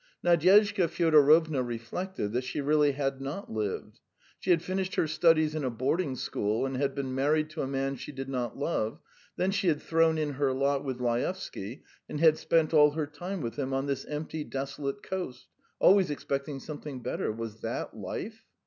Nadyezhda Fyodorovna reflected that she really had not lived. She had finished her studies in a boarding school and had been married to a man she did not love; then she had thrown in her lot with Laevsky, and had spent all her time with him on this empty, desolate coast, always expecting something better. Was that life?